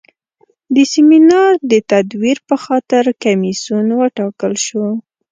د سیمینار د تدویر په خاطر کمیسیون وټاکل شو.